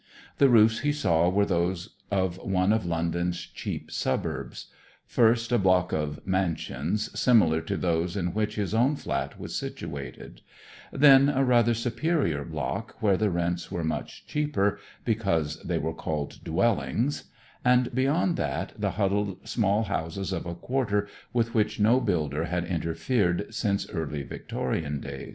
The roofs he saw were those of one of London's cheap suburbs; first, a block of "mansions" similar to those in which his own flat was situated; then a rather superior block, where the rents were much cheaper because they were called "dwellings"; and beyond that, the huddled small houses of a quarter with which no builder had interfered since early Victorian days.